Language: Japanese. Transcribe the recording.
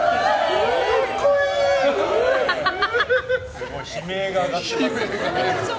すごい悲鳴が上がってますよ。